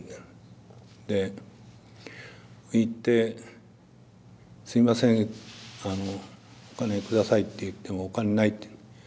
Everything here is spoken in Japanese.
で行って「すいませんお金下さい」って言っても「お金ない」って。